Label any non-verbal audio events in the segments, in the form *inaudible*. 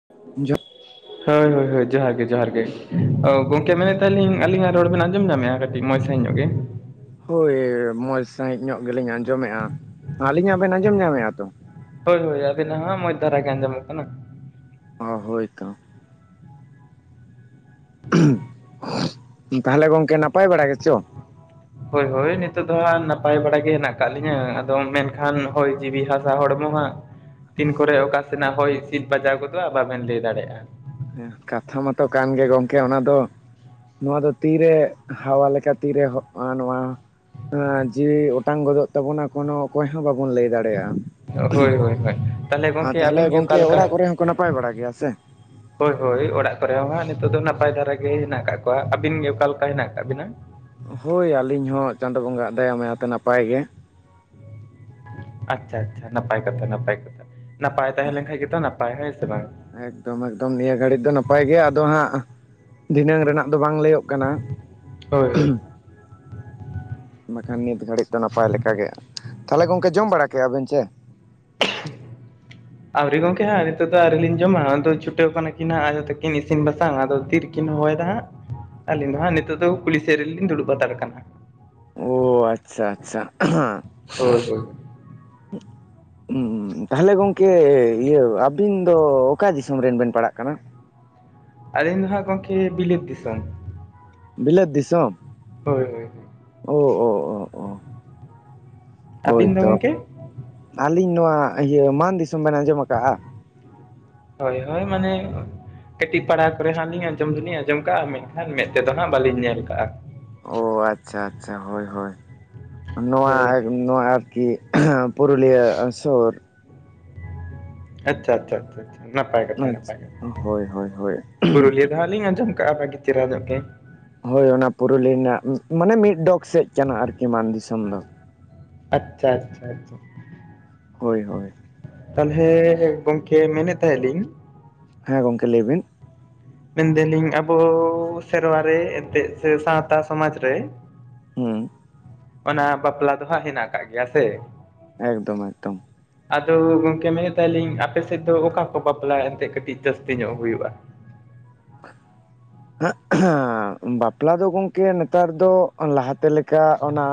ᱦ *inaudible* ᱡᱚ ᱦ *inaudible* ᱦᱳᱭ ᱦᱳᱭ ᱦᱳᱭ ᱡᱚᱸᱦᱟᱨ ᱜᱮ ᱡᱚᱸᱦᱟᱨ ᱜᱮ, ᱚ ᱜᱚᱢᱠᱮ ᱢᱮᱱᱮᱫ ᱛᱟᱦᱮᱞᱤᱧ ᱟᱹᱞᱤᱧᱟᱜ ᱨᱚᱲ ᱵᱮᱱ ᱟᱸᱡᱚᱢ ᱧᱟᱢᱮᱫᱼᱟ? ᱟᱹᱴᱤ ᱢᱚᱡᱽ ᱥᱟᱸᱦᱤᱡ ᱧᱚᱜ ᱜᱮ? ᱦᱳᱭ ᱢᱚᱡ ᱥᱟᱺᱦᱤᱡ ᱧᱚᱜ ᱜᱮᱞᱤᱧ ᱟᱸᱡᱚᱢᱮᱜᱼᱟ, ᱟᱹᱞᱤᱧᱟᱜ ᱵᱮᱱ ᱟᱸᱡᱚᱢ ᱧᱟᱢᱮᱜᱼᱟ ᱛᱚ? ᱦᱳᱭ ᱦᱳᱭ ᱟᱵᱤᱱᱟᱜ ᱦᱚᱸ ᱢᱚᱡ ᱫᱷᱟᱨᱟ ᱜᱮ ᱟᱸᱡᱚᱢᱚᱜ ᱠᱟᱱᱟ᱾ ᱚ ᱦᱳᱭ ᱛᱚ᱾ ᱛᱟᱦᱞᱮ ᱜᱚᱝᱠᱮ ᱱᱟᱯᱟᱭ ᱵᱟᱲᱟ ᱜᱮᱪᱚ? ᱦᱳᱭ ᱦᱳᱭ ᱱᱤᱛᱚᱜ ᱫᱚ ᱦᱟᱸᱜ ᱱᱟᱯᱟᱭ ᱵᱟᱲᱟ ᱜᱮ ᱦᱮᱸᱱᱟᱜ ᱠᱟᱜ ᱞᱤᱧᱟᱹ ᱟᱫᱚᱢ ᱢᱮᱱᱠᱷᱟᱱ ᱦᱚᱭ ᱡᱤᱣᱤ ᱦᱟᱥᱟ ᱦᱚᱲᱢᱚ ᱦᱟᱸᱜ ᱛᱤᱱ ᱠᱚᱨᱮ ᱚᱠᱟ ᱥᱮᱱᱟᱜ ᱦᱚᱭ ᱦᱤᱥᱤᱫ ᱵᱟᱡᱟᱣ ᱜᱚᱫᱚᱜᱼᱟ ᱵᱟᱵᱮᱱ ᱞᱟᱹᱭ ᱫᱟᱲᱮᱭᱟᱜᱼᱟ᱾ ᱦᱮᱸ ᱠᱟᱛᱷᱟ ᱢᱟᱛᱚ ᱠᱟᱱ ᱜᱮ ᱜᱚᱝᱠᱮ ᱚᱱᱟ ᱫᱚ᱾ ᱱᱚᱣᱟ ᱫᱚ ᱛᱤᱨᱮ ᱦᱟᱣᱟ ᱞᱮᱠᱟ ᱛᱤᱨᱮ ᱦᱚᱜᱼᱚ ᱱᱚᱣᱟ ᱮᱸ ᱡᱤᱣᱤ ᱚᱴᱟᱝ ᱜᱚᱫᱚᱜ ᱛᱟᱵᱚᱱᱟ ᱠᱚᱱᱚ ᱚᱠᱚᱭ ᱦᱚᱸ ᱵᱟᱵᱚᱱ ᱞᱟᱹᱭ ᱫᱟᱲᱮᱭᱟᱜᱼᱟ ᱦᱳᱭ ᱦᱳᱭ ᱦᱳᱭ ᱛᱟᱦᱚᱞᱮ ᱟᱨ ᱜᱚᱝᱠᱮ ᱛᱟᱦᱞᱮ ᱟᱹᱵᱤᱱ ᱜᱮ ᱚᱠᱟ ᱜᱚᱝᱠᱮ ᱞᱮᱠᱟ ᱚᱲᱟᱜ ᱠᱚᱨᱮ ᱦᱚᱸᱠᱚ ᱱᱟᱯᱟᱭ ᱵᱟᱲᱟ ᱜᱮᱭᱟ ᱥᱮᱼᱼ *inaudible* ᱦᱳᱭ ᱦᱳᱭ ᱚᱲᱟᱜ ᱠᱚᱨᱮ ᱦᱚᱸ ᱦᱟᱸᱜ ᱱᱤᱛᱚᱜ ᱫᱚ ᱱᱟᱯᱟᱭ ᱫᱷᱟᱨᱟ ᱜᱮ ᱦᱮᱱᱟᱜ ᱠᱟᱜ ᱠᱚᱣᱟ ᱟᱹᱵᱤᱱ ᱜᱮ ᱚᱠᱟ ᱞᱮᱠᱟ ᱦᱮᱱᱟᱜ ᱟᱠᱟᱫ ᱵᱤᱱᱟ ᱦᱳᱭ ᱟᱹᱞᱤᱧ ᱦᱚᱸ ᱪᱟᱸᱫᱚ ᱵᱚᱸᱜᱟ ᱟᱜ ᱫᱟᱭᱟ ᱢᱟᱭᱟᱛᱮ ᱱᱟᱯᱟᱭ ᱜᱮ ᱟᱪᱪᱷᱟ ᱟᱪᱪᱷᱟ ᱱᱟᱯᱟᱭ ᱠᱟᱛᱷᱟ ᱱᱟᱯᱟᱭ ᱠᱟᱛᱷᱟ ᱱᱟᱯᱟᱭ ᱛᱟᱦᱮᱸ ᱞᱮᱱᱠᱷᱟᱡ ᱜᱮᱛᱚ ᱱᱟᱯᱟᱭ ᱦᱮᱸ ᱥᱮ ᱵᱟᱝ ᱮᱠᱫᱚᱢ ᱮᱠᱫᱚᱢ ᱱᱤᱭᱟᱹ ᱜᱷᱟᱹᱲᱤᱡ ᱫᱚ ᱱᱟᱯᱟᱭ ᱜᱮ ᱟᱫᱚ ᱦᱟᱸᱜᱼᱼ ᱫᱷᱤᱱᱟᱹᱝ ᱨᱮᱱᱟᱜ ᱫᱚ ᱵᱟᱝ ᱞᱟᱹᱭᱚᱜ ᱠᱟᱱᱟ ᱦᱳᱭ ᱦᱳᱭ ᱵᱟᱠᱷᱟᱱ ᱱᱤᱛ ᱜᱷᱟᱹᱲᱤᱡ ᱫᱚ ᱱᱟᱯᱟᱭ ᱞᱮᱠᱟ ᱜᱮᱼᱼ ᱛᱟᱦᱞᱮ ᱜᱚᱝᱠᱮ ᱡᱚᱢ ᱵᱟᱲᱟ ᱠᱮᱜ-ᱟ ᱵᱤᱱ ᱪᱮ *inaudible* ᱟᱹᱣᱨᱤ ᱜᱚᱢᱠᱮ ᱦᱟᱸᱜ ᱱᱤᱛᱚᱜ ᱫᱚ ᱟᱹᱣᱨᱤ ᱞᱤᱧ ᱡᱚᱢᱟ ᱟᱫᱚ ᱪᱷᱩᱴᱟᱹᱣ ᱠᱟᱱᱟ ᱠᱤᱱ ᱦᱟᱸᱜ ᱟᱭᱚ ᱛᱟᱹᱠᱤᱱ ᱤᱥᱤᱱ ᱵᱟᱥᱟᱝᱼᱟ ᱟᱫᱚ ᱛᱤᱨᱤᱼᱼ ᱠᱤᱱ ᱦᱚᱦᱚᱭ ᱮᱫᱟ ᱦᱟᱸᱜ ᱟᱹᱞᱤᱧ ᱫᱚ ᱦᱟᱸᱜ ᱱᱤᱛᱚᱜ ᱫᱚ ᱠᱩᱞᱤ ᱥᱮᱫ ᱨᱮᱞᱤᱧ ᱫᱩᱲᱩᱵ ᱦᱟᱛᱟᱲ ᱠᱟᱱᱟ ᱚ ᱟᱪᱪᱷᱟ ᱟᱪᱪᱷᱟ ᱦᱳᱭ *unintelligible* ᱦᱳᱭ *inaudible* *unintelligible* ᱛᱟᱦᱚᱞᱮ ᱜᱚᱝᱠᱮ ᱤᱭᱟᱹ ᱟᱵᱤᱱ ᱫᱚ ᱚᱠᱟ ᱫᱤᱥᱚᱢ ᱨᱮᱱ ᱵᱮᱱ ᱯᱟᱲᱟᱜ ᱠᱟᱱᱟ ᱟᱹᱞᱤᱧ ᱫᱚ ᱦᱟᱸᱜ ᱜᱚᱢᱠᱮ ᱵᱤᱞᱟᱹᱛ ᱫᱤᱥᱚᱢ ᱵᱤᱞᱟᱹᱛ ᱫᱤᱥᱚᱢ ᱦᱳᱭ ᱦᱳᱭ ᱦᱳᱭ ᱳ ᱳ *unintelligible* ᱦᱳᱭ ᱟᱹᱵᱤᱱ ᱫᱚ ᱛᱚ ᱜᱚᱝᱠᱮ ᱟᱹᱞᱤᱧ ᱱᱚᱣᱟ ᱤᱭᱟᱹ ᱢᱟᱱ ᱫᱤᱥᱚᱢ ᱵᱮᱱ ᱟᱸᱡᱚᱢ ᱟᱠᱟᱫᱼᱟ ᱦᱳᱭ ᱦᱳᱭ ᱢᱟᱱᱮᱼᱼ ᱠᱟᱹᱴᱤᱡ ᱯᱟᱲᱟ ᱠᱚᱨᱮ ᱦᱟᱜ ᱟᱹᱞᱤᱧ ᱟᱸᱡᱚᱢ ᱫᱚᱞᱤᱧ ᱟᱸᱡᱚᱢ ᱠᱟᱜᱼᱟ ᱢᱮᱱ ᱠᱷᱟᱱ ᱢᱮᱫ ᱛᱮᱫᱚ ᱦᱟᱸᱜ ᱵᱟᱹᱞᱤᱧ ᱧᱮᱞ ᱠᱟᱜᱼᱟ ᱚ ᱟᱪᱪᱷᱟ ᱟᱪᱪᱷᱟ ᱦᱳᱭ ᱦᱳᱭ ᱱᱚᱣᱟ ᱦᱮᱸ ᱱᱚᱣᱟ ᱟᱨᱠᱤᱼᱼ ᱦᱮᱸ ᱯᱩᱨᱩᱞᱤᱭᱟᱹ ᱥᱩᱨ ᱟᱪᱪᱷᱟ ᱟᱪᱪᱷᱟ ᱟᱪᱪᱷᱟ ᱟᱪᱪᱷᱟ ᱱᱟᱯᱟᱭ ᱠᱟᱛᱷᱟ ᱱᱟᱯᱟᱭ ᱠᱟᱛᱷᱟ ᱦᱳᱭ ᱦᱳᱭ ᱦᱳᱭ ᱯᱩᱨᱩᱞᱤᱭᱟᱹ ᱡᱟᱦᱟᱸ ᱞᱤᱧ ᱟᱸᱡᱚᱢ ᱠᱟᱜᱼᱟ ᱵᱷᱟᱹᱜᱤ ᱪᱮᱦᱨᱟ ᱧᱚᱜ ᱜᱮ ᱦᱳᱭ ᱚᱱᱟ ᱯᱩᱨᱩᱞᱤᱭᱟᱹ ᱨᱮᱱᱟᱜ ᱢᱟᱱᱮ ᱢᱤᱫ ᱰᱚᱜᱽ ᱥᱮᱡ ᱠᱟᱱᱟ ᱟᱨᱠᱤ ᱢᱟᱱ ᱫᱤᱥᱚᱢ ᱫᱚ ᱟᱪᱪᱷᱟ ᱟᱪᱪᱷᱟ ᱟᱪᱪᱷᱟ ᱦᱳᱭ ᱦᱳᱭ ᱛᱟᱦᱚᱞᱮ ᱜᱚᱝᱠᱮ ᱢᱮᱱᱮᱫ ᱛᱟᱦᱮ ᱞᱤᱧ ᱦᱮᱸ ᱜᱚᱝᱠᱮ ᱞᱟᱹᱭ ᱵᱤᱱ ᱢᱮᱱ ᱫᱟᱞᱤᱧ ᱟᱵᱚ ᱥᱮᱨᱣᱟ ᱨᱮ ᱮᱱᱛᱮᱫ ᱥᱮ ᱥᱟᱶᱛᱟ ᱥᱚᱢᱟᱡᱽ ᱨᱮᱼᱼ ᱦᱮᱸ ᱚᱱᱟ ᱵᱟᱯᱞᱟ ᱫᱚ ᱦᱟᱸᱜ ᱦᱮᱱᱟᱜ ᱠᱟᱜ ᱜᱮᱭᱟ ᱥᱮᱼᱼ ᱮᱠᱫᱚᱢ ᱮᱠᱫᱚᱢ ᱟᱫᱚ ᱜᱚᱝᱠᱮ ᱢᱮᱱᱮᱫ ᱛᱟᱦᱮᱞᱤᱧ ᱟᱯᱮ ᱥᱮᱫ ᱫᱚ ᱚᱠᱟ ᱠᱚ ᱵᱟᱯᱞᱟ ᱮᱱᱛᱮ ᱠᱟᱹᱴᱤᱡ ᱡᱟᱹᱥᱛᱤ ᱧᱚᱜ ᱦᱩᱭᱩᱜᱼᱟ *unintelligible* ᱵᱟᱯᱞᱟ ᱫᱚ ᱜᱚᱝᱠᱮ ᱱᱮᱛᱟᱨ ᱫᱚ ᱞᱟᱦᱟ ᱛᱮ ᱞᱮᱠᱟ ᱚᱱᱟᱼᱼ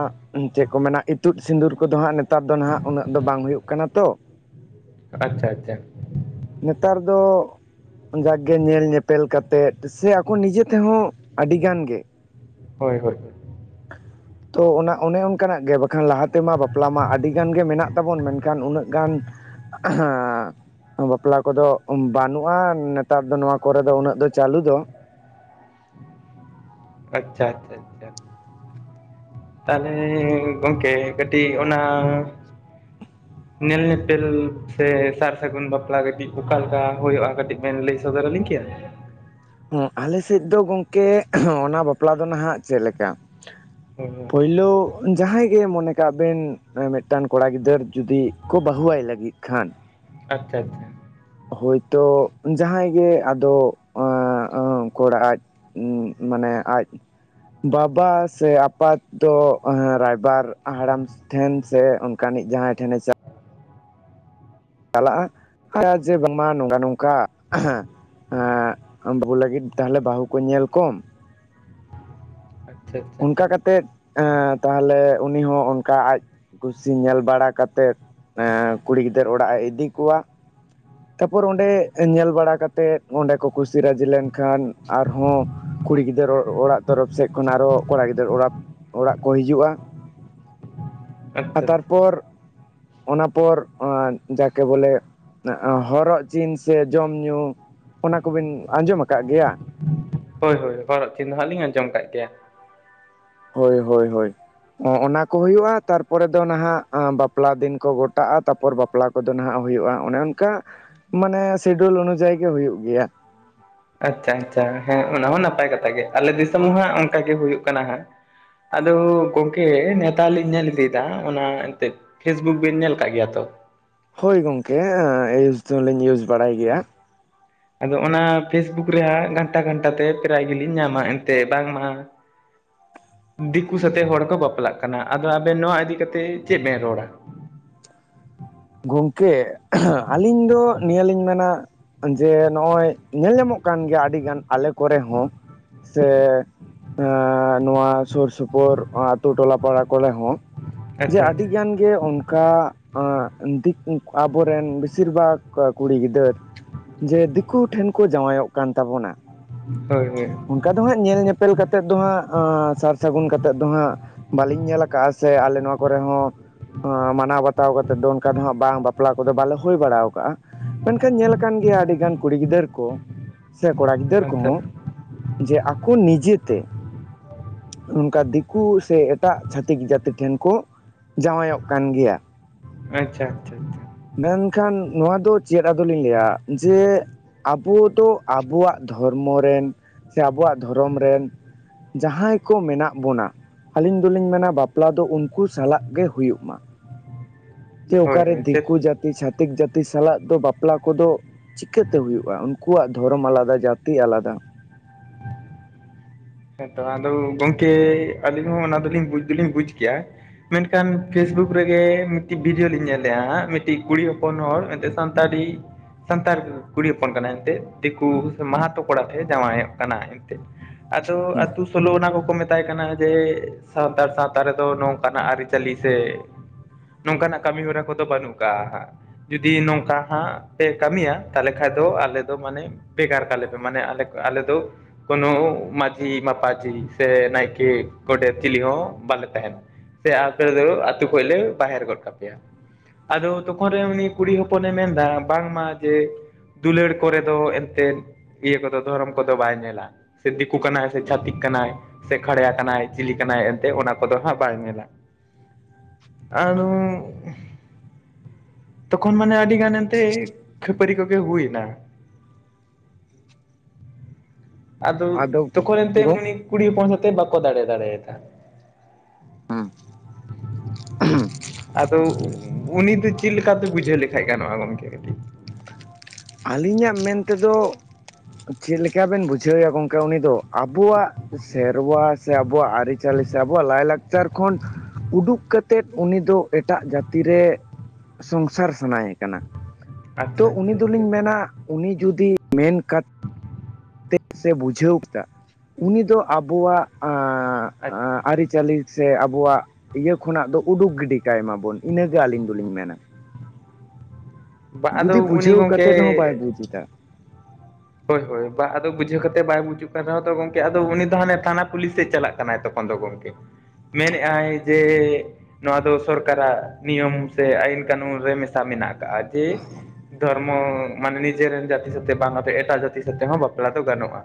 ᱪᱮᱫ ᱠᱚ ᱢᱮᱱᱟ ᱤᱛᱩᱫ ᱥᱤᱸᱫᱩᱨ ᱠᱚᱫᱚ ᱦᱟᱸᱜ ᱱᱮᱛᱟᱨ ᱫᱚ ᱦᱟᱸᱜ ᱩᱱᱟᱹᱜ ᱫᱚ ᱵᱟᱝ ᱦᱩᱭᱩᱜ ᱠᱟᱱᱟ ᱛᱚ ᱟᱪᱪᱷᱟ ᱟᱪᱪᱷᱟ ᱱᱮᱛᱟᱨ ᱫᱚ ᱡᱟᱜᱠᱮ ᱧᱮᱞ ᱧᱮᱯᱮᱞ ᱠᱟᱛᱮᱜ ᱥᱮᱼᱼ ᱟᱠᱚ ᱱᱤᱡᱮ ᱛᱮ ᱦᱚᱸ ᱟᱹᱰᱤ ᱜᱟᱱ ᱜᱮᱼᱼ ᱦᱳᱭ ᱦᱳᱭ ᱦᱳᱭ *inaudible* ᱛᱚ ᱚᱱᱟ ᱚᱱᱮ ᱚᱱᱠᱟᱱᱟᱜ ᱜᱮ ᱵᱟᱠᱷᱟᱱ ᱞᱟᱦᱟ ᱛᱮᱢᱟ ᱵᱟᱯᱞᱟ ᱢᱟ ᱟᱹᱰᱤ ᱜᱟᱱ ᱜᱮ ᱢᱮᱱᱟᱜ ᱛᱟᱵᱚᱱ ᱢᱮᱱᱠᱷᱟᱱ ᱩᱱᱟᱹᱜ ᱜᱟᱱ *unintelligible* ᱵᱟᱯᱞᱟ ᱠᱚᱫᱚᱜ ᱵᱟᱹᱱᱩᱜᱼᱟ ᱱᱮᱛᱟᱨ ᱫᱚ ᱱᱚᱣᱟ ᱠᱚᱨᱮ ᱫᱚ ᱩᱱᱟᱹᱜ ᱫᱚ ᱪᱟᱹᱞᱩ ᱫᱚ, ᱟᱪᱪᱷᱟ ᱟᱪᱪᱷᱟ ᱟᱪᱪᱷᱟ, ᱛᱟᱦᱮᱞᱮ ᱜᱚᱝᱠᱮ ᱠᱟᱹᱴᱤᱜ ᱚᱱᱟ ᱧᱮᱞ ᱧᱮᱯᱮᱞ ᱥᱮ, ᱥᱟᱨ ᱥᱟᱹᱜᱩᱱ ᱵᱟᱯᱞᱟ ᱠᱟᱹᱴᱤᱜ ᱚᱠᱟ ᱞᱮᱠᱟ ᱦᱳᱭᱳᱜᱼᱟ ᱠᱟᱹᱴᱤᱡ ᱵᱮᱱ ᱞᱟᱹᱭ ᱥᱚᱫᱚᱨ ᱟᱹᱞᱤᱧ ᱠᱮᱭᱟ? ᱦᱩᱸ ᱟᱞᱮ ᱥᱮᱫ ᱫᱚ ᱜᱚᱝᱠᱮᱜ ᱚᱱᱟ ᱵᱟᱯᱞᱟ ᱫᱚ ᱱᱷᱟᱸᱜ ᱪᱮᱫ ᱞᱮᱠᱟ ᱦᱳᱭ ᱦᱳᱭ ᱯᱳᱭᱞᱳ ᱡᱟᱦᱟᱸᱭ ᱜᱮ ᱢᱚᱱᱮ ᱠᱟᱜ ᱵᱮᱱ ᱢᱤᱫᱴᱟᱱ ᱠᱚᱲᱟ ᱜᱤᱫᱟᱹᱨ ᱡᱩᱫᱤ ᱠᱚ ᱵᱟᱹᱦᱩᱣᱟᱭ ᱞᱟᱹᱜᱤᱫ ᱠᱷᱟᱱ, ᱟᱪᱪᱷᱟ ᱟᱪᱪᱷᱟ ᱦᱳᱭᱛᱚᱜ ᱡᱟᱦᱟᱸᱭ ᱜᱮ ᱟᱫᱚᱜ ᱩᱱᱠᱩ ᱚᱲᱟᱜ ᱟᱡ ᱩᱸ ᱢᱟᱱᱮ ᱟᱡ ᱵᱟᱵᱟ ᱥᱮ ᱟᱯᱟᱫ ᱫᱚ ᱦᱮᱸ ᱨᱟᱭᱵᱟᱨ ᱦᱟᱲᱟᱢᱥ ᱴᱷᱮᱱ ᱥᱮ ᱚᱱᱠᱟᱱᱤᱡ ᱡᱟᱦᱟᱸᱭ ᱴᱷᱮᱱᱮ ᱪᱟᱞ ᱪᱟᱞᱟᱜᱼᱟ ᱦᱟ ᱡᱮ ᱵᱟᱝ ᱢᱟ ᱱᱚᱝᱠᱟ ᱱᱚᱝᱠᱟ, ᱦᱮᱸᱜ ᱟᱢ ᱵᱟᱹᱦᱩ ᱞᱟᱹᱜᱤᱫ ᱛᱟᱦᱚᱞᱮ ᱵᱟᱹᱦᱩ ᱠᱚ ᱧᱮᱞ ᱠᱚᱢ, ᱟᱪᱪᱷᱟ ᱟᱪᱪᱷᱟ ᱚᱱᱠᱟ ᱠᱟᱛᱮᱫ ᱮᱸ ᱛᱟᱦᱚᱞᱮ ᱩᱱᱤ ᱦᱚᱸ ᱚᱱᱠᱟ ᱟᱡ ᱠᱩᱥᱤ ᱧᱮᱞ ᱵᱟᱲᱟ ᱠᱟᱛᱮᱫ, ᱮᱸ ᱠᱩᱲᱤ ᱜᱤᱫᱟᱹᱨ ᱚᱲᱟᱜ ᱮ ᱤᱫᱤ ᱠᱚᱣᱟ, ᱛᱟᱯᱚᱨ ᱚᱸᱰᱮᱸᱻᱜ ᱧᱮᱞ ᱵᱟᱲᱟ ᱠᱟᱛᱮᱫ ᱚᱸᱰᱮ ᱠᱚ ᱠᱩᱥᱤ ᱨᱟᱹᱡᱤ ᱞᱮᱱᱠᱷᱟᱱ ᱟᱨᱦᱚᱸ ᱠᱩᱲᱤ ᱜᱤᱫᱟᱹᱨ ᱚᱻᱚᱲᱟᱜ ᱛᱚᱨᱚᱯ ᱥᱮᱫ ᱠᱷᱚᱱ ᱟᱨᱚᱜ ᱠᱚᱲᱟ ᱜᱤᱫᱟᱹᱨ ᱚᱲᱟᱯ, ᱚᱲᱟᱜ ᱠᱚ ᱦᱤᱡᱩᱜᱼᱟ, ᱟ ᱟᱪᱪᱷᱟ ᱟᱪᱪᱷᱟ ᱛᱟᱨᱯᱚᱨ ᱚᱱᱟ ᱯᱚᱨ ᱳᱸ ᱡᱟᱠᱮ ᱵᱚᱞᱮ, ᱟᱸᱟᱸ ᱦᱚᱨᱚᱜ ᱪᱤᱱ ᱥᱮ ᱡᱚᱢ ᱧᱩ ᱚᱱᱟ ᱠᱚᱵᱤᱱ ᱟᱸᱡᱚᱢ ᱟᱠᱟᱜ ᱜᱮᱭᱟ? ᱦᱳᱭ ᱦᱳᱭ ᱦᱚᱨᱚᱜ ᱪᱤᱱᱦᱟ ᱞᱤᱧ ᱟᱸᱡᱚᱢ ᱟᱠᱟᱜ ᱜᱮᱭᱟ᱾ ᱦᱳᱭ ᱦᱳᱭ ᱦᱳᱭ᱾ ᱚᱸ ᱚᱱᱟ ᱠᱚ ᱦᱩᱭᱩᱜᱼᱟ, ᱛᱟᱨᱯᱚᱨᱮ ᱫᱚ ᱱᱷᱟᱸᱜ ᱵᱟᱯᱞᱟ ᱫᱤᱱ ᱠᱚ ᱜᱚᱴᱟᱜᱼᱟ ᱛᱟᱯᱚᱨ ᱵᱟᱯ- ᱯᱞᱟ ᱠᱚᱫᱚ ᱱᱷᱟᱸᱜ ᱦᱩᱭᱩᱜᱼᱟ, ᱚᱱᱮ ᱚᱱᱠᱟ ᱢᱟᱱᱮ ᱥᱤᱰᱩᱞ ᱩᱱᱩᱡᱟᱹᱭ ᱜᱮ ᱦᱩᱭᱩᱜ ᱜᱮᱭᱟ᱾ ᱟᱪᱪᱷᱟ ᱟᱪᱪᱷᱟ ᱦᱮᱸ ᱚᱱᱟ ᱢᱟ ᱱᱟᱯᱟᱭ ᱠᱟᱛᱷᱟ ᱜᱮ, ᱟᱞᱮ ᱫᱤᱥᱚᱢ ᱦᱚᱸ ᱦᱟᱸᱜ ᱚᱸᱠᱟ ᱜᱮ ᱦᱩᱭᱩᱜ ᱠᱟᱱᱟ ᱦᱟᱸᱜ, ᱟᱫᱚ ᱜᱚᱝᱠᱮ ᱱᱮᱛᱟᱞᱤᱧ ᱱᱮᱞ ᱤᱫᱤᱭᱮᱫᱟ ᱚᱱᱟ ᱮᱱᱛᱮᱫ ᱯᱷᱮᱥᱵᱩᱠ ᱵᱤᱱ ᱱᱮᱞ ᱟᱠᱟᱜ ᱜᱮᱭᱟ ᱛᱚ, ᱦᱳᱭ ᱜᱚᱝᱠᱮ ᱮᱸ ᱤᱭᱩᱡᱽ ᱫᱚᱞᱤᱧ ᱤᱭᱩᱡᱽ ᱵᱟᱲᱟᱭ ᱜᱮᱭᱟ᱾ ᱟᱫᱚ ᱚᱱᱟ ᱯᱷᱮᱥᱵᱩᱠ ᱨᱮ ᱦᱟᱸᱜ ᱜᱷᱟᱱᱴᱟ ᱜᱷᱟᱱᱴᱟ ᱛᱮ ᱯᱮᱨᱟᱭ ᱜᱮᱞᱤᱧ ᱧᱟᱢᱼᱟ ᱮᱱᱛᱮ ᱵᱟᱝᱼᱢᱟ, ᱫᱤᱠᱩ ᱥᱟᱛᱮ ᱦᱚᱲ ᱠᱚ ᱵᱟᱯᱞᱟᱜ ᱠᱟᱱᱟ, ᱟᱫᱚ ᱟᱵᱮᱱ ᱱᱚᱣᱟ ᱤᱫᱤ ᱠᱟᱛᱮ ᱪᱮᱜ ᱵᱮᱱ ᱨᱚᱲᱼᱟ? ᱜᱚᱝᱠᱮᱻᱜ *unintelligible* ᱟᱹᱞᱤᱧ ᱫᱚ ᱱᱤᱭᱟᱹ ᱞᱤᱧ ᱢᱮᱱᱟ ᱡᱮ ᱱᱚᱜᱼᱚᱭ ᱧᱮᱞ ᱧᱟᱢᱚᱜ ᱠᱟᱱ ᱜᱮᱭᱟ ᱟᱹᱰᱤ ᱜᱟᱱ ᱟᱞᱮ ᱠᱚᱨᱮ ᱦᱚᱸ--' ᱥᱮᱻ ᱮᱸᱻ ᱱᱚᱣᱟ ᱥᱩᱨ ᱥᱩᱯᱳᱨ ᱟᱸ ᱟᱛᱩ ᱴᱚᱞᱟ ᱯᱟᱲᱟ ᱠᱚᱞᱮ ᱦᱚᱸ᱾ ᱡᱮ ᱟᱪᱪᱷᱟ ᱟᱹᱰᱤ ᱟᱪᱪᱷᱟ ᱜᱟᱱ ᱜᱮ ᱚᱱᱠᱟᱻᱜ ᱟᱸᱜ ᱤᱸ ᱫᱤᱠ ᱩᱸᱠᱩ ᱟᱵᱚᱨᱮᱱ ᱵᱮᱥᱤᱨ ᱵᱟᱜᱽᱼᱠᱟ ᱠᱩᱲᱤ ᱜᱤᱫᱟᱹᱨ ᱡᱮ ᱫᱤᱠᱩ ᱴᱷᱮᱱ ᱠᱚ ᱡᱟᱶᱟᱭᱚᱜ ᱠᱟᱱ ᱛᱟᱵᱚᱱᱟ, ᱦᱳᱭ ᱦᱳᱭ! ᱚᱱᱠᱟ ᱫᱚ ᱦᱟᱸᱜ ᱧᱮᱞ ᱧᱮᱯᱮᱞ ᱠᱟᱛᱮᱜ ᱫᱚ ᱦᱟᱸᱜ ᱟᱸ ᱥᱟᱨ ᱥᱟᱹᱜᱩᱱ ᱠᱟᱛᱮᱫ ᱫᱚ ᱦᱟᱸᱜ ᱵᱟᱹᱞᱤᱧ ᱧᱮᱞ ᱟᱠᱟᱜᱼᱟ ᱥᱮ ᱟᱞᱮ ᱱᱚᱣᱟ ᱠᱚᱨᱮ ᱦᱚᱸ, ᱦᱚᱸ ᱢᱟᱱᱟᱣ ᱵᱟᱛᱟᱣ ᱠᱟᱛᱮᱫ ᱫᱚ ᱩᱱ- ᱠᱟ ᱫᱚ ᱦᱟᱸᱜ ᱵᱟᱝ ᱵᱟᱯᱞᱟ ᱠᱚᱫᱚ ᱵᱟᱞᱮ ᱦᱩᱭ ᱵᱟᱲᱟᱣ ᱟᱠᱟᱜᱼᱟ, ᱢᱮᱱᱠᱷᱟᱱ ᱧᱮᱞ ᱟᱠᱟᱱ ᱜᱮᱭᱟ ᱟᱹᱰᱤ ᱜᱟᱱ ᱠᱩᱲᱤ ᱜᱤᱫᱟᱹᱨ ᱠᱚ, ᱥᱮ ᱠᱚᱲᱟ ᱜᱤᱫᱟᱹᱨ ᱟᱪᱪᱷᱟ ᱠᱚᱦᱚᱸ ᱡᱮ ᱟᱠᱚ ᱱᱤᱡᱟᱹᱛᱮ ᱱᱚᱝᱠᱟ ᱫᱤᱠᱩ ᱥᱮ ᱮᱴᱟᱜ ᱪᱷᱟᱹᱛᱤᱠ ᱡᱟᱹᱛᱤ ᱴᱷᱮᱱ ᱠᱚ ᱡᱟᱶᱟᱭᱚᱜ ᱠᱟᱱ ᱜᱮᱭᱟ᱾ ᱟᱪᱪᱷᱟ ᱟᱪᱪᱷᱟ ᱟᱪᱪᱷᱟ ᱢᱮᱱᱠᱷᱟᱱ ᱱᱚᱣᱟ ᱫᱚ ᱪᱮᱫ ᱟᱫᱚᱞᱤᱧ ᱞᱟᱹᱭᱟ ᱡᱮ, ᱟᱵᱚ ᱫᱚ ᱟᱵᱚᱣᱟᱜ ᱫᱷᱚᱨᱢᱚ ᱨᱮᱱ ᱥᱮ ᱟᱵᱚᱣᱟᱜ ᱫᱷᱚᱨᱚᱢ ᱨᱮᱱ, ᱡᱟᱦᱟᱸᱭ ᱠᱚ ᱢᱮᱱᱟᱜ ᱵᱚᱱᱟ, ᱟᱹᱞᱤᱧ ᱫᱚᱞᱤᱧ ᱢᱮᱱᱟ ᱵᱟᱯᱞᱟ ᱫᱚ ᱩᱱᱠᱩ ᱥᱟᱞᱟᱜ ᱜᱮ ᱦᱩᱭᱩᱜ ᱢᱟ᱾ ᱡᱮ ᱦᱳᱭ ᱚᱠᱟᱨᱮ ᱦᱳᱭ ᱪᱮᱫ ᱫᱤᱠᱩ ᱡᱟᱹᱛᱤ ᱪᱷᱟᱛᱤᱠ ᱡᱟᱹᱛᱤ ᱥᱟᱞᱟᱜ ᱫᱚ ᱵᱟᱯᱞᱟ ᱠᱚᱫᱚ, ᱪᱤᱠᱟᱹᱛᱮ ᱦᱩᱭᱩᱜᱼᱟ ᱩᱱᱠᱩᱣᱟᱜ ᱫᱷᱚᱨᱚᱢ ᱟᱞᱟᱫᱟ ᱡᱟᱹᱛᱤ ᱟᱞᱟᱫᱟ᱾ ᱦᱮᱸᱛᱚ ᱟᱫᱚ ᱜᱚᱢᱠᱮ ᱟᱹᱞᱤᱧ ᱦᱚᱸ ᱚᱱᱟ ᱫᱚᱞᱤᱧ ᱵᱩᱡᱽ ᱫᱚᱞᱤᱧ ᱵᱩᱡ ᱠᱮᱭᱟ᱾ ᱢᱮᱱᱠᱷᱟᱱ ᱯᱷᱮᱥᱵᱩᱠ ᱨᱮᱜᱮ ᱢᱤᱫᱴᱤᱡ ᱵᱷᱤᱰᱭᱳ ᱞᱤᱧ ᱧᱮᱞᱮᱫᱼᱟ ᱢᱤᱫᱴᱤᱡ ᱠᱩᱲᱤ ᱦᱚᱯᱚᱱ ᱦᱚᱲ ᱥᱟᱱᱛᱟᱲ ᱛᱟᱲᱤ, ᱥᱟᱱᱛᱟᱲ ᱠᱩᱲᱤ ᱦᱚᱯᱚᱱ ᱠᱟᱱᱟᱭ ᱮᱱᱛᱮᱫ ᱫᱤᱠᱩ ᱥᱮ ᱢᱟᱦᱟᱛᱚ ᱠᱚᱲᱟ ᱴᱷᱮᱱ ᱡᱟᱶᱟᱭᱚᱜ ᱠᱟᱱᱟᱭ ᱮᱱᱛᱮᱫ᱾ ᱟᱫᱚ ᱟᱛᱩ ᱥᱳᱞᱳ ᱚᱱᱟ ᱠᱚᱠᱚ ᱢᱮᱛᱟᱭ ᱠᱟᱱᱟ ᱡᱮ ᱥᱟᱱᱛᱟᱲ ᱥᱟᱶᱛᱟ ᱨᱮᱫᱚ ᱱᱚᱝᱠᱟᱱᱟᱜ ᱟᱹᱨᱤᱪᱟᱹᱞᱤ ᱥᱮ ᱱᱚᱝᱠᱟᱱᱟᱜ ᱠᱟᱹᱢᱤ ᱦᱚᱨᱟ ᱠᱚᱫᱚ ᱵᱟᱹᱱᱩᱜ ᱠᱟᱜᱼᱟ ᱦᱟᱸᱜ ᱡᱩᱫᱤ ᱱᱚᱝᱠᱟ ᱦᱟᱸᱜ ᱯᱮ ᱠᱟᱹᱢᱤᱭᱟ ᱛᱟᱞᱮ ᱠᱷᱟᱱ ᱫᱚ ᱟᱞᱮ ᱫᱚ ᱢᱟᱱᱮ ᱵᱷᱮᱜᱟᱨ ᱠᱟᱞᱮ ᱯᱮ ᱢᱟᱱᱮ ᱟᱞᱮ ᱫᱚ ᱠᱳᱱᱳ ᱢᱟᱺᱡᱷᱤ ᱢᱟᱯᱟᱡᱤ ᱥᱮ ᱱᱟᱭᱠᱮ ᱜᱚᱸᱰᱮᱛ ᱪᱤᱞᱤ ᱦᱚᱸ ᱵᱟᱞᱮ ᱛᱟᱦᱮᱸᱱᱟ ᱥᱮ ᱟᱯᱮᱫᱚ ᱟᱛᱩ ᱠᱷᱚᱡᱞᱮ ᱵᱟᱦᱮᱨ ᱜᱚᱫ ᱠᱟᱯᱮᱭᱟ ᱟᱫᱚ ᱛᱚᱠᱷᱚᱱᱨᱮ ᱩᱱᱤ ᱠᱩᱲᱤ ᱦᱚᱯᱚᱱᱮ ᱢᱮᱱᱫᱟ ᱵᱟᱝᱢᱟ ᱡᱮ ᱫᱩᱞᱟᱹᱲ ᱠᱚᱨᱮ ᱫᱚ ᱮᱱᱛᱮᱫ ᱤᱭᱟᱹ ᱠᱚᱫᱚ ᱫᱷᱚᱨᱚᱢ ᱠᱚᱫᱚ ᱵᱟᱭ ᱧᱮᱞᱟ ᱥᱮ ᱫᱤᱠ ᱫᱤᱠᱩ ᱠᱟᱱᱟᱭ ᱥᱮ ᱪᱷᱟᱹᱛᱤᱠ ᱠᱟᱱᱟᱭ ᱥᱮ ᱠᱷᱟᱲᱮᱭᱟ ᱠᱟᱱᱟᱭ ᱪᱤᱞᱤ ᱠᱟᱱᱟᱭ ᱮᱱᱛᱮᱫ ᱚᱱᱟ ᱠᱚᱫᱚ ᱦᱟᱸᱜ ᱵᱟᱭ ᱧᱮᱞᱟ ᱟᱫᱳ ᱛᱚᱠᱷᱚᱱ ᱢᱟᱱᱮ ᱟᱹᱰᱤ ᱜᱟᱱ ᱮᱱᱛᱜ ᱠᱷᱟᱹᱯᱟᱹᱨᱤ ᱠᱚᱜᱮ ᱦᱩᱭᱱᱟ ᱟᱫᱚ ᱛᱚᱠᱷᱚᱱᱛᱮ ᱜᱚᱝ ᱩᱱᱤ ᱠᱩᱲᱤ ᱦᱚᱯᱚᱱ ᱥᱟᱛᱮᱜ ᱵᱟᱠᱚ ᱫᱟᱲᱮ ᱫᱟᱲᱮᱭᱟᱫᱟ ᱦᱮᱸ ᱟᱫᱚ ᱩᱱᱤ ᱫᱚ ᱪᱮᱫᱠᱟ ᱞᱮᱠᱟᱛᱮ ᱵᱩᱡᱷᱟᱹᱣ ᱞᱮᱠᱷᱟᱡ ᱜᱟᱱᱚᱜᱼᱟ ᱜᱚᱢᱠᱮ᱾ ᱠᱟᱹᱴᱤᱡ ᱟᱹᱞᱤᱧᱟᱜ ᱢᱮᱱᱛᱮᱫᱚ ᱪᱮᱫᱠᱟᱵᱮᱱ ᱵᱩᱡᱷᱟᱹᱣᱭᱟ ᱜᱚᱝᱠᱮ ᱩᱱ ᱫᱚ ᱟᱵᱚᱣᱟᱜ ᱥᱮᱨᱣᱟ ᱥᱮ ᱟᱵᱚᱣᱟᱜ ᱟᱹᱨᱤᱪᱟᱹᱞᱤ ᱥᱮ ᱟᱵᱚᱣᱟᱜ ᱞᱟᱭᱞᱟᱠᱪᱟᱨ ᱠᱷᱚᱱ ᱩᱰᱩᱠ ᱠᱟᱛᱮᱫ ᱩᱱᱤ ᱫᱚᱚ ᱮᱴᱟᱜ ᱡᱟᱹᱛᱤ ᱨᱮ ᱥᱚᱝᱥᱟᱨ ᱥᱟᱱᱟᱭᱮ ᱠᱟᱱᱟ ᱟᱪᱪᱷᱟ ᱛᱚ ᱩᱱᱤ ᱟᱪᱪᱷᱟ ᱥᱮ ᱫᱚᱞᱤᱧ ᱛᱮ ᱢᱮᱱᱟ ᱩᱱᱤ ᱡᱩᱫᱤ ᱢᱮᱱ ᱠᱟᱛᱮ ᱛᱮ ᱥᱮ ᱵᱩᱡᱷᱟᱹᱣ ᱠᱮᱫᱟ ᱩᱱᱤ ᱫᱚ ᱟᱵᱚᱣᱟᱜ ᱟᱹᱨᱤᱪᱟᱹᱞᱤ ᱥᱮ ᱟᱵᱚᱣᱟᱜ ᱤᱭᱟᱹ ᱠᱷᱚᱱᱟᱜ ᱫᱚ ᱩᱰᱩᱠ ᱜᱤᱰᱤ ᱠᱟᱭᱢᱟᱵᱚᱱ ᱤᱱᱟᱹᱜᱮ ᱟᱹᱞᱤᱧ ᱫᱚᱞᱤᱧ ᱢᱮᱱᱟ ᱟᱫᱚ ᱡᱩᱫᱤ ᱩᱱᱤ ᱵᱩᱡᱷᱟᱹᱣ ᱜᱚᱢᱠᱮ ᱠᱟᱛᱮᱫ ᱦᱚᱸ ᱵᱟᱭ ᱵᱩᱡ ᱮᱫᱟ ᱦᱳᱭ ᱦᱳᱭ ᱟᱫᱚ ᱵᱩᱡᱷᱟᱹᱣ ᱠᱟᱛᱮ ᱵᱟᱭ ᱵᱩᱡᱩᱜ ᱠᱟᱱ ᱨᱮᱦᱚᱸ ᱛᱚ ᱜᱚᱢᱠᱮ ᱟᱫᱚ ᱩᱱᱤ ᱫᱚ ᱦᱟᱱᱮ ᱛᱷᱟᱱᱟ ᱯᱩᱞᱤᱥ ᱥᱮᱫ ᱪᱟᱞᱟᱜ ᱠᱟᱱᱟᱭ ᱛᱚ ᱵᱚᱱᱫᱚ ᱜᱚᱢᱠᱮ ᱢᱮᱱᱮᱫ ᱟᱭ ᱡᱮ ᱱᱚᱣᱟ ᱫᱚ ᱥᱚᱨᱠᱟᱨᱟᱜ ᱱᱤᱭᱚᱢ ᱥᱮ ᱟᱹᱤᱱ ᱠᱟᱹᱱᱩᱱ ᱨᱮ ᱢᱮᱥᱟ ᱢᱮᱱᱟᱜ ᱟᱠᱟᱫᱼᱟ ᱡᱮ ᱫᱷᱚᱨᱢᱚ ᱢᱟᱱᱮ ᱱᱤᱡᱮᱨᱮᱱ ᱡᱟᱹᱛᱤ ᱥᱟᱛᱮᱜ ᱵᱟᱝ ᱟᱛ ᱮᱴᱟᱜ ᱡᱟᱹᱛᱤ ᱥᱟᱛᱮᱜ ᱦᱚᱸ ᱵᱟᱯᱞᱟ ᱫᱚ ᱜᱟᱱᱚᱜᱼᱟ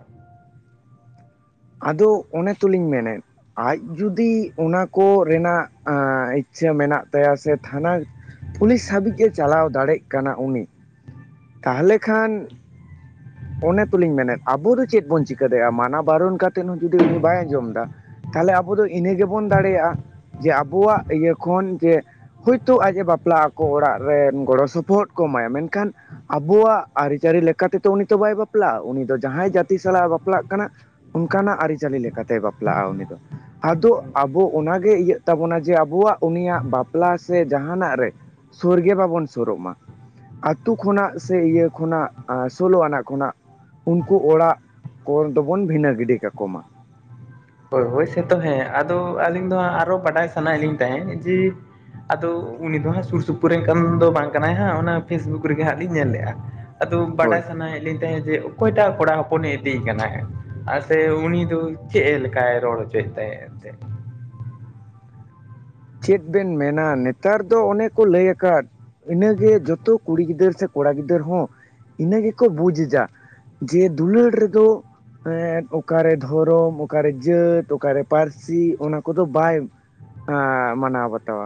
ᱟᱫᱚ ᱚᱱᱮ ᱛᱩᱞᱤᱧ ᱢᱮᱱᱮᱫ ᱟᱡ ᱡᱩᱫᱤ ᱚᱱᱟ ᱠᱚ ᱨᱮᱱᱟᱜ ᱤᱪᱷᱟᱹ ᱢᱮᱱᱟᱜ ᱛᱟᱭᱟ ᱥᱮ ᱛᱷᱟᱱᱟ ᱯᱩᱞᱤᱥ ᱦᱟᱹᱵᱤᱡᱼᱮ ᱪᱟᱞᱟᱣ ᱫᱟᱲᱮᱜ ᱠᱟᱱᱟ ᱩᱱᱤ ᱛᱟᱦᱚᱞᱮ ᱠᱷᱟᱱ ᱚᱱᱮ ᱛᱞᱤᱧ ᱢᱮᱱᱮᱫ ᱟᱵᱚ ᱫᱚ ᱪᱮᱫ ᱵᱚᱱ ᱪᱤᱠᱟᱹ ᱫᱟᱲᱮᱭᱟᱜᱼᱟ ᱢᱟᱱᱟ ᱵᱟᱨᱚᱱ ᱠᱟᱛᱮᱫ ᱦᱚᱸ ᱡᱩᱫᱤ ᱩᱱᱤ ᱵᱟᱭ ᱟᱸᱡᱚᱢ ᱫᱟ? ᱛᱟᱦᱞᱮ ᱟᱵᱚ ᱫᱚ ᱤᱱᱟᱹ ᱜᱮᱵᱚᱱ ᱫᱟᱲᱮᱭᱟᱜᱼᱟ ᱡᱮ ᱟᱵᱚᱣᱟᱜ ᱤᱭᱟᱹ ᱠᱷᱚᱱ ᱡᱮ ᱦᱳᱭᱛᱳ ᱟᱡ ᱮ ᱵᱟᱯᱞᱟ ᱟᱠᱚ ᱚᱲᱟᱜ ᱨᱮᱱ ᱜᱚᱲᱚ ᱥᱚᱯᱚᱦᱚᱫ ᱠᱚ ᱮᱢᱟᱭᱟ ᱢᱮᱱᱠᱷᱟᱱ ᱟᱵᱚᱣᱟᱜ ᱟᱹᱨᱤᱪᱟᱹᱞᱤ ᱞᱮᱠᱟ ᱛᱮᱫᱚ ᱩᱱᱤ ᱛᱚ ᱵᱟᱭ ᱵᱟᱯᱞᱟᱜᱼᱟ ᱩᱱᱤ ᱫᱚ ᱡᱟᱦᱟᱸᱭ ᱡᱟᱹᱛᱤ ᱥᱟᱞᱟᱜ ᱮ ᱵᱟᱯᱞᱟᱜ ᱠᱟᱱᱟ ᱚᱱᱠᱟᱱᱟᱜ ᱟᱹᱨᱤᱪᱟᱹᱞᱤ ᱞᱮᱠᱟᱛᱮᱭ ᱵᱟᱯᱞᱟᱜᱼᱟ ᱩᱱᱤ ᱫᱚ ᱾ ᱟᱫᱚ ᱟᱵᱚ ᱚᱱᱟᱜᱮ ᱤᱭᱟᱹᱜ ᱛᱟᱵᱚᱱᱟ ᱡᱮ ᱟᱵᱚᱣᱟᱜ ᱩᱱᱤᱭᱟᱜ ᱵᱟᱯᱞᱟ ᱥᱮ ᱡᱟᱦᱟᱱᱟᱜ ᱨᱮ ᱥᱳᱨ ᱜᱮ ᱵᱟᱵᱚᱱ ᱥᱳᱨᱚᱜ ᱢᱟ ᱟᱛᱳ ᱠᱷᱚᱱᱟᱜ ᱥᱮ ᱤᱭᱟᱹ ᱠᱷᱚᱱᱟᱜ ᱥᱳᱞᱳ ᱟᱱᱟᱜ ᱠᱷᱚᱱᱟᱜ ᱩᱱᱠᱩ ᱚᱲᱟᱜ ᱠᱚ ᱫᱚᱵᱚᱱ ᱵᱷᱤᱱᱟᱹ ᱜᱤᱰᱤ ᱠᱟᱠᱚᱢᱟ ᱾ ᱦᱳᱭ ᱦᱳᱭ ᱥᱮᱛᱚ ᱦᱮᱸ ᱟᱫᱚ ᱟᱹᱞᱤᱧ ᱫᱚᱟᱸᱜ ᱟᱨᱚ ᱵᱟᱰᱟᱭ ᱥᱟᱱᱟᱭᱮᱫ ᱞᱤᱧ ᱛᱟᱦᱮᱸᱫ ᱡᱮ ᱟᱫᱚ ᱩᱱᱤ ᱫᱚ ᱦᱟᱸᱜ ᱥᱩᱨ ᱥᱩᱯᱩᱨ ᱨᱮᱱ ᱫᱚ ᱵᱟᱝ ᱠᱟᱱᱟᱭ ᱦᱟᱸᱜ ᱚᱱᱟ ᱯᱷᱮᱥᱵᱩᱠ ᱨᱮᱜᱮ ᱦᱟᱸᱜ ᱞᱤᱧ ᱧᱮᱞ ᱞᱮᱜᱼᱟ᱾ ᱟᱫᱚ ᱵᱟᱰᱟᱭ ᱦᱳᱭ ᱥᱟᱱᱟᱭᱮᱫ ᱞᱤᱧ ᱛᱟᱦᱮᱸᱫ ᱡᱮ ᱚᱠᱚᱭᱴᱟᱜ ᱠᱚᱲᱟ ᱦᱚᱯᱚᱱᱮ ᱤᱫᱤᱭᱮ ᱠᱟᱱᱟ ᱦᱮᱸ ᱟᱨ ᱥᱮ ᱩᱱᱤ ᱫᱚ ᱪᱮᱫ ᱮ ᱠᱟᱭ ᱨᱚᱲᱚᱲ ᱦᱚᱪᱚᱭ ᱛᱟᱦᱮᱱ ᱛᱮ᱾ ᱪᱮᱫ ᱵᱮᱱ ᱢᱮᱱᱟ ᱱᱮᱛᱟᱨ ᱫᱚ ᱚᱱᱮ ᱠᱚ ᱞᱟᱹᱭ ᱟᱠᱟᱫ ᱤᱱᱟᱹᱜᱮ ᱡᱚᱛᱚ ᱠᱩᱲᱤ ᱜᱤᱫᱟᱹᱨ ᱥᱮ ᱠᱚᱲᱟ ᱜᱤᱫᱟᱹᱨ ᱦᱚᱸ ᱤᱱᱟᱹ ᱜᱮᱠᱚ ᱵᱩᱡᱽ ᱡᱟ᱾ ᱡᱮ ᱫᱩᱞᱟᱹᱲ ᱨᱮᱫᱚ ᱮᱫ ᱚᱠᱟᱨᱮ ᱫᱷᱚᱨᱚᱢ ᱚᱠᱟᱨᱮ ᱡᱟᱹᱛ ᱚᱠᱟᱨᱮ ᱯᱟᱹᱨᱥᱤ ᱚᱱᱟ ᱠᱚᱫᱚ ᱵᱟᱭ *unintelligible* ᱟᱸ ᱢᱟᱱᱟᱣ ᱵᱟᱛᱟᱣᱟ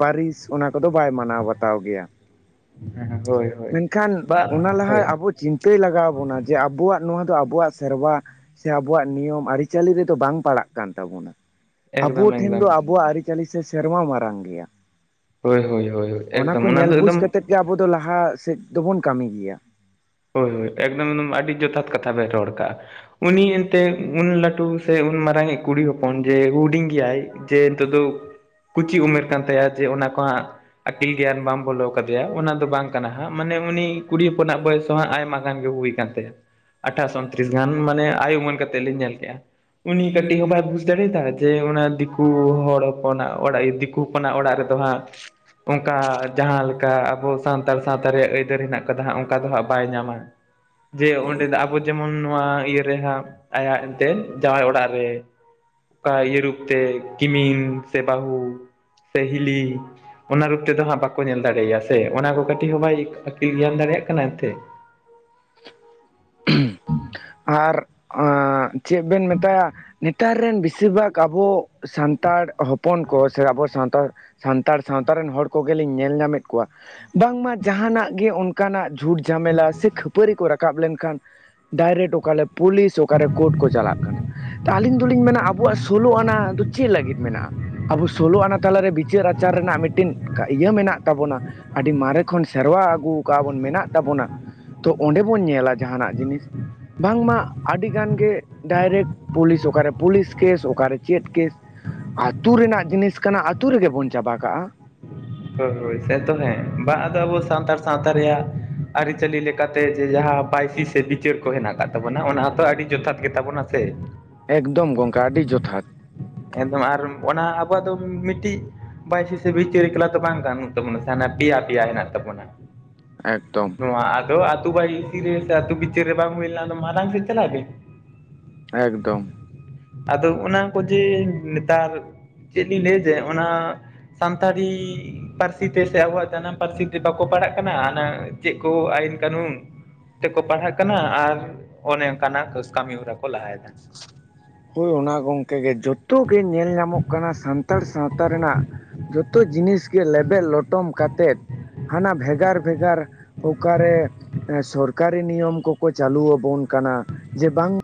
ᱯᱟᱹᱨᱤᱥ ᱚᱱᱟ ᱠᱚᱫᱚ ᱵᱟᱭ ᱢᱟᱱᱟᱣ ᱵᱟᱛᱟᱣ ᱜᱮᱭᱟ᱾ ᱦᱳᱭ ᱦᱳᱭ ᱢᱮᱱᱠᱷᱟᱱ ᱵᱟ ᱚᱱᱟ ᱞᱟᱦᱟ ᱦᱳᱭ ᱟᱵᱚ ᱪᱤᱱᱛᱟᱹ ᱛᱟᱹᱭ ᱞᱟᱜᱟᱣ ᱵᱚᱱᱟ ᱡᱮ ᱟᱵᱚᱣᱟᱜ ᱱᱚᱣᱟ ᱫᱚ ᱟᱵᱚᱣᱟᱜ ᱥᱮᱨᱣᱟ ᱥᱮ ᱟᱵᱚᱣᱟᱜ ᱱᱤᱭᱚᱢ ᱟᱹᱨᱤᱪᱟᱹᱞᱤ ᱨᱮᱫᱚ ᱵᱟᱝ ᱯᱟᱲᱟᱜ ᱠᱟᱱ ᱛᱟᱵᱚᱱᱟ᱾ ᱟᱵᱚ ᱮᱠᱫᱚᱢ ᱴᱷᱮᱱ ᱮᱠᱫᱚᱢ ᱫᱚ ᱟᱵᱚᱣᱟᱜ ᱟᱹᱨᱤᱪᱟᱹᱞᱤ ᱥᱮ ᱥᱮᱨᱢᱟ ᱢᱟᱨᱟᱝ ᱜᱮᱭᱟ᱾ ᱦᱳᱭ ᱦᱳᱭ ᱦᱳᱭ ᱮᱠᱫᱚᱢ ᱚᱱᱟ ᱫᱚ ᱮᱠᱫᱚᱢ ᱡᱮ ᱟᱵᱚ ᱫᱚ ᱞᱟᱦᱟ ᱥᱮᱫ ᱫᱚᱵᱚᱱ ᱠᱟᱹᱢᱤ ᱜᱮᱭᱟ᱾ ᱦᱳᱭ ᱦᱳᱭ ᱮᱠᱫᱚᱢ ᱟᱹᱰᱤ ᱡᱚᱛᱷᱟᱛ ᱠᱟᱛᱷᱟ ᱵᱮᱮ ᱨᱚᱲ ᱠᱟᱜᱼᱟ᱾ ᱩᱱᱤ ᱮᱱᱛᱮᱜ ᱩᱱ ᱞᱟᱹᱴᱩ ᱥᱮ ᱩᱱ ᱢᱟᱨᱟᱝᱤᱡ ᱠᱩᱲᱤ ᱦᱚᱯᱚᱱ ᱡᱮ ᱦᱩᱰᱤᱧ ᱜᱮᱭᱟᱭ ᱡᱮ ᱱᱤᱛᱚᱜ ᱫᱚ ᱠᱩᱪᱤ ᱩᱢᱮᱨ ᱠᱟᱱ ᱛᱟᱭᱟ ᱡᱮ ᱚᱱᱟ ᱠᱚ ᱦᱟᱜ ᱟᱹᱠᱤᱞ ᱜᱮᱭᱟᱱ ᱵᱟᱢ ᱵᱚᱞᱚ ᱠᱟᱫᱮᱭᱟ ᱚᱱᱟ ᱫᱚ ᱵᱟᱝ ᱠᱟᱱᱟ ᱦᱟᱸᱜ ᱢᱟᱱᱮ ᱩᱱᱤ ᱠᱩᱲᱤ ᱦᱚᱯᱚᱱᱟᱜ ᱵᱚᱭᱮᱥ ᱚ ᱟᱭᱢᱟ ᱜᱟᱱ ᱜᱮ ᱦᱩᱭ ᱟᱠᱟᱱ ᱛᱟᱭᱟ ᱟᱴᱷᱟᱥᱚᱱᱛᱨᱤᱥ ᱜᱟᱱ ᱢᱟᱱᱮ ᱟᱭ ᱩᱢᱟᱹᱱ ᱠᱟᱛᱮᱫ ᱞᱮ ᱧᱮᱞ ᱠᱮᱫᱮᱜ-ᱟ᱾ ᱩᱱᱤ ᱠᱟᱹᱴᱤᱡ ᱦᱚᱸ ᱵᱟᱭ ᱵᱩᱡ ᱫᱟᱲᱮᱭᱟᱫᱟ ᱡᱮ ᱚᱱᱟ ᱫᱤᱠᱩ ᱦᱚᱲ ᱦᱚᱯᱚᱱᱟᱜ ᱚᱲᱟᱜ ᱫᱤ ᱠᱩ ᱦᱚᱯᱟᱱ ᱚᱲᱟᱜ ᱨᱮᱫᱚ ᱦᱟᱸᱜ ᱚᱱᱠᱟ ᱡᱟᱦᱟᱸ ᱞᱮᱠᱟ ᱟᱵᱚ ᱥᱟᱱᱛᱟᱲ ᱥᱟᱶᱛᱟ ᱨᱮᱭᱟᱜ ᱟᱹᱭᱫᱟᱹᱨ ᱦᱮᱱᱟᱜ ᱟᱠᱟᱫᱟ ᱦᱟᱸᱜ ᱚᱱᱠᱟ ᱫᱚ ᱦᱸᱜ ᱵᱟᱭ ᱧᱟᱢᱟ ᱡᱮ ᱦᱳᱭ ᱚᱸᱰᱮ ᱫᱚ ᱟᱵᱚ ᱡᱮᱢᱚᱱ ᱱᱚᱣᱟ ᱤᱭᱟᱹᱟᱹᱨ ᱨᱮ ᱦᱟᱸᱜ ᱟᱭᱟᱜ ᱮᱱᱛᱮᱫ ᱡᱟᱶᱟᱭ ᱚᱲᱟᱜ ᱨᱮ ᱚᱠᱟ ᱤᱭᱟᱹ ᱨᱩᱯᱛᱮ ᱠᱤᱢᱤᱱ ᱥᱮ ᱵᱟᱹᱦᱩ ᱥᱮ ᱦᱤᱞᱤ ᱚᱱᱟ ᱨᱩᱯ ᱛᱮᱫᱚ ᱦᱟᱸᱜ ᱵᱟᱠᱚ ᱧᱮᱞ ᱫᱟᱲᱮᱭᱟᱭᱟ ᱥᱮ ᱚᱱᱟ ᱠᱚ ᱠᱟᱹᱴᱤᱡ ᱦᱚᱸ ᱵᱟᱭ ᱟᱹᱠᱤᱞ ᱜᱮᱭᱟᱱ ᱫᱟᱲᱮᱭᱟᱜ ᱠᱟᱱᱟ ᱮᱱᱛᱮᱜ᱾ *unintelligible* ᱟᱨ ᱟᱸᱜ ᱪᱮᱫ ᱵᱮᱱ ᱢᱮᱛᱟᱭᱟ ᱱᱮᱛᱟᱨ ᱨᱮᱱ ᱵᱮᱥᱤᱨ ᱵᱷᱟᱜᱽ ᱟᱵᱚ ᱥᱟᱱᱛᱟᱲ ᱦᱚᱯᱚᱱ ᱠᱚ ᱥᱮ ᱟᱵᱚ ᱥᱟᱱᱛᱟᱲ ᱥᱟᱱᱛᱟᱲ ᱥᱟᱶᱛᱟ ᱨᱮᱱ ᱦᱚᱲ ᱠᱚᱜᱮᱞᱤᱧ ᱧᱮᱞ ᱧᱟᱢᱮᱫ ᱠᱚᱣᱟ ᱵᱟᱝᱢᱟ ᱡᱟᱦᱟᱱᱟᱜ ᱜᱮ ᱚᱱ ᱚᱱᱠᱟᱱᱟᱜ ᱡᱷᱩᱴ ᱡᱷᱟᱢᱮᱞᱟ ᱥᱮ ᱠᱷᱟᱹᱯᱟᱹᱨᱤ ᱠᱚ ᱨᱟᱠᱟᱵ ᱞᱮᱱᱠᱷᱟᱱ ᱰᱟᱭᱨᱮᱠᱴ ᱚᱠᱟᱞ ᱞᱮ ᱯᱩᱞᱤᱥ ᱚᱠᱟᱨᱮ ᱠᱳᱨᱴ ᱠᱚ ᱪᱟᱞᱟᱜ ᱠᱟᱱᱟ᱾ ᱟᱹᱞᱤᱧ ᱫᱚᱞᱤᱧ ᱢᱮᱱᱟ ᱟᱵᱚᱣᱟᱜ ᱥᱳᱞᱳ ᱟᱱᱟ ᱫᱚ ᱪᱮᱫ ᱞᱟᱹᱜᱤᱫ ᱢᱮᱱᱟᱜ-ᱟ? ᱟᱵᱚ ᱥᱳᱞᱳ ᱟᱱᱟ ᱛᱟᱞᱟᱨᱮ ᱵᱤᱪᱟᱹᱨ ᱟᱪᱟᱨ ᱨᱮᱱᱟᱜ ᱢᱤᱫᱴᱤᱱ ᱤᱭᱟᱹ ᱢᱮᱱᱟᱜ ᱛᱟᱵᱚᱱᱟ, ᱟᱹᱰᱤ ᱢᱟᱨᱮ ᱠᱷᱚᱱ ᱥᱮᱨᱣᱟ ᱟᱹᱜᱩ ᱠᱟᱜ ᱵᱚᱱ ᱢᱮᱱᱟᱜ ᱛᱟᱵᱚᱱᱟ, ᱛᱚ ᱚᱸᱰᱮ ᱵᱚᱱ ᱧᱮᱞᱟ ᱡᱟᱦᱟᱸᱱᱟᱜ ᱡᱤᱱᱤᱥ ᱵᱟᱝᱢᱟ ᱟᱹᱰᱤ ᱜᱟᱱ ᱜᱮ ᱰᱟᱭᱨᱮᱠᱴ ᱯᱩᱞᱤᱥ ᱚᱠᱟᱨᱮ ᱯᱩᱞᱤᱥ ᱠᱮᱥ ᱚᱠᱟᱨᱮ ᱪᱮᱫ ᱠᱮᱥ ᱟᱛᱩ ᱨᱮᱱᱟᱜ ᱡᱤᱱᱤᱥ ᱠᱟᱱᱟ ᱟᱹᱛᱩ ᱨᱮᱜᱮ ᱵᱚᱱ ᱪᱟᱵᱟ ᱠᱟᱜᱼᱟ᱾ ᱦᱳᱭ ᱦᱳᱭ ᱥᱮᱛᱚ ᱦᱮᱸ ᱵᱟᱝ ᱟᱫᱚ ᱟᱵᱚ ᱥᱟᱱᱛᱟᱲ ᱥᱟᱶᱛᱟ ᱨᱮᱭᱟᱜ ᱟᱹᱨᱤᱪᱟᱹᱞᱤ ᱞᱮᱠᱟᱛᱮ ᱡᱮ ᱡᱟᱦᱟᱸ ᱵᱟᱭᱥᱤ ᱥᱮ ᱵᱤᱪᱟᱹᱨ ᱠᱚ ᱦᱮᱸᱱᱟᱜ ᱠᱟᱫ ᱛᱟᱵᱚᱱᱟ ᱚᱱᱟᱛᱚ ᱟᱹᱰᱤ ᱡᱚᱛᱷᱟᱛ ᱜᱮᱛᱟᱵᱚᱱᱟ ᱥᱮ? ᱮᱠᱫᱚᱢ ᱜᱚᱢᱜᱟ ᱟᱹᱰᱤ ᱡᱚᱛᱷᱟᱛ᱾ ᱮᱠᱫᱚᱢ ᱟᱨ ᱚᱱᱟ ᱟᱵᱚᱣᱟᱜ ᱫᱚ ᱢᱤᱫᱴᱤᱡ ᱵᱟᱭᱥᱤ ᱥᱮ ᱵᱤᱪᱟᱹᱨᱤᱠᱞᱟ ᱛᱚ ᱵᱟᱝ ᱵᱟᱱᱩᱜ ᱛᱟᱵᱚᱱᱟ ᱦᱟᱸᱱᱮ ᱯᱮᱭᱟ ᱯᱮᱭᱟ ᱦᱮᱸᱱᱟᱜ ᱛᱟᱵᱚᱱᱟ᱾ ᱮᱠᱫᱚᱢ ᱱᱚᱣᱟ ᱟᱫᱚ ᱟᱛᱩ ᱵᱟᱭᱥᱤ ᱨᱮ ᱥᱮ ᱟᱛᱩ ᱵᱤᱪᱟᱹᱨ ᱨᱮ ᱵᱟᱝ ᱦᱩᱭ ᱞᱮᱱᱟ ᱢᱟᱨᱟᱲᱟᱝ ᱥᱮᱫ ᱪᱟᱞᱟᱜ ᱵᱤᱱ᱾ ᱮᱠᱫᱚᱢ᱾ ᱟᱫᱚ ᱚᱱᱟ ᱠᱚ ᱡᱮ ᱱᱮᱛᱟᱨ ᱪᱮᱫ ᱞᱤᱧ ᱞᱟᱹᱭᱟ ᱡᱮ ᱚᱱᱟ ᱥᱟᱱᱛᱟᱲᱤ ᱯᱟᱹᱨᱥᱤ ᱛᱮ ᱥᱮ ᱟᱵᱚᱣᱟᱜ ᱡᱟᱱᱟᱢ ᱯᱟᱹᱨᱥᱤ ᱛᱮ ᱵᱟᱠᱚ ᱯᱟᱲᱦᱟᱜ ᱠᱟᱱᱟ ᱟᱱᱟ ᱪᱮᱫ ᱠᱚ ᱟᱭᱤᱱ ᱠᱟᱹᱱᱩᱱ ᱛᱮᱠᱚ ᱯᱟᱲᱦᱟᱜ ᱠᱟᱱᱟ ᱟᱨ ᱚᱱᱮ ᱚᱱᱠᱟᱱᱟᱜ ᱠᱟᱹᱢᱤ ᱦᱚᱨᱟ ᱠᱚ ᱞᱟᱦᱟᱭᱫᱟ᱾ ᱦᱳᱭ ᱚᱱᱟ ᱜᱚᱝᱠᱮ ᱜᱮ ᱡᱚᱛᱚ ᱜᱮ ᱧᱮᱞ ᱧᱟᱢᱚᱜ ᱠᱟᱱᱟ ᱥᱟᱱᱛᱟᱲ ᱥᱟᱶᱛᱟ ᱨᱮᱱᱟᱜ ᱡᱷᱚ ᱛᱚ ᱡᱤᱱᱤᱥ ᱜᱮ ᱞᱮᱵᱮᱫ ᱞᱚᱴᱚᱢ ᱠᱟᱛᱮᱫ ᱦᱟᱸᱱᱟ ᱵᱷᱮᱜᱟᱨ ᱵᱷᱮᱜᱟᱨ ᱚᱠᱟᱨᱮ ᱮᱸ ᱥᱚᱨᱠᱟᱨᱤ ᱱᱤᱭᱚᱢ ᱠᱚᱠᱚ ᱪᱟᱹᱞᱩᱣᱟᱵᱚᱱ ᱠᱟᱱᱟ ᱡᱮ ᱵᱟᱝ